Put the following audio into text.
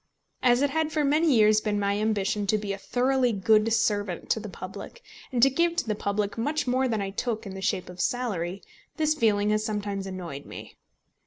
As it had for many years been my ambition to be a thoroughly good servant to the public, and to give to the public much more than I took in the shape of salary, this feeling has sometimes annoyed me.